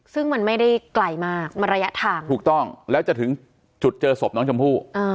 ซึ่งมันไม่ได้ไกลมากมันระยะทางถูกต้องแล้วจะถึงจุดเจอศพน้องชมพู่